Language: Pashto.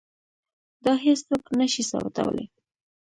دا هیڅوک نه شي ثابتولی.